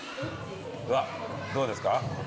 うわっどうですか？